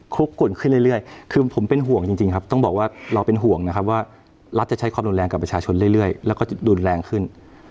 ลุกกลุ่นขึ้นเรื่อยคือผมเป็นห่วงจริงครับต้องบอกว่าเราเป็นห่วงนะครับว่ารัฐจะใช้ความรุนแรงกับประชาชนเรื่อยแล้วก็รุนแรงขึ้น